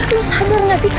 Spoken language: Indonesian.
lo sadar gak sih